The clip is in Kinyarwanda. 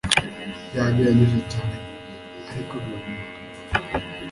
Yagerageje cyane ariko biramunanira